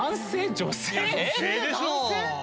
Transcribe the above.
女性でしょ。